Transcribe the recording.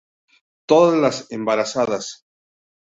Todas las embarazadas.